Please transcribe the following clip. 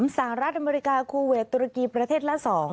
สหรัฐอเมริกาคูเวทตุรกีประเทศละ๒